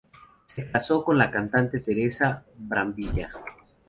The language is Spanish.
Se casó con la cantante Teresa Brambilla.